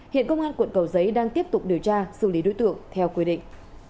hiện công an quận cầu giấy đang tiếp tục điều tra xử lý đối tượng theo quy định